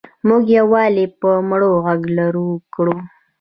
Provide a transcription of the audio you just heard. موږ یوازې په مړو غږ لوړ کړو.